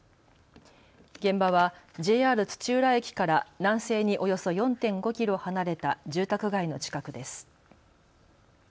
現場はＪＲ土浦駅から南西におよそ４．５キロ離れた住宅街の近くです。